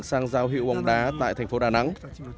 sang giao hiệu bóng đá tại thành phố đà nẵng